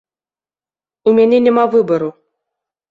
У мяне няма выбару.